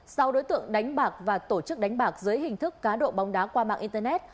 sau đối tượng đánh bạc và tổ chức đánh bạc dưới hình thức cá độ bóng đá qua mạng internet